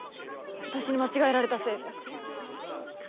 私に間違えられたせいで。